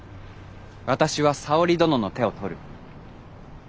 私は沙織殿の手を取る。